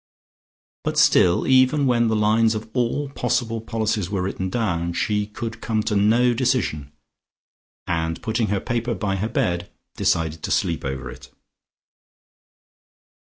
But still, even when the lines of all possible policies were written down, she could come to no decision, and putting her paper by her bed, decided to sleep over it.